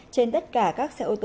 trên tất cả các xe ô tô trở khỏi